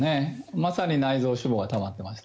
まさに内臓脂肪がたまってました。